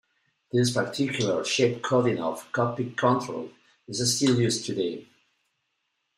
This particular shape-coding of cockpit controls is still used today.